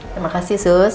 terima kasih sus